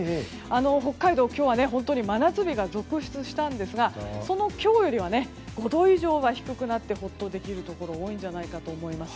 北海道、今日は真夏日が続出したんですがその今日よりは５度以上は低くなるのでほっとできるところも多いんじゃないかと思います。